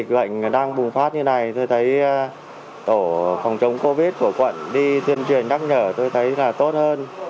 ở thời điểm dịch lệnh đang bùng phát như này tôi thấy tổ phòng chống covid của quận đi tuyên truyền đắc nhở tôi thấy là tốt hơn